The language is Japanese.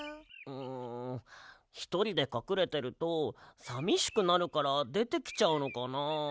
んひとりでかくれてるとさみしくなるからでてきちゃうのかな。